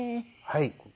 はい。